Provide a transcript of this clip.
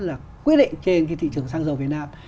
là quyết định trên cái thị trường xăng dầu việt nam